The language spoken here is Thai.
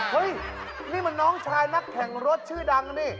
เฮ้ยนี่มันน้องชายนักแข่งรถชื่อดังนี่